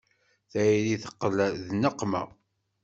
Tayri teqqel d nneqma.